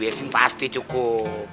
beli bensin pasti cukup